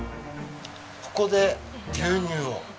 ここで牛乳を。